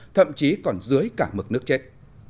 thậm chí còn dưới cả mực nước chết